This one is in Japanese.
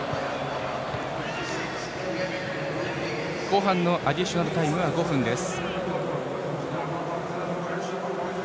後半のアディショナルタイムは５分です。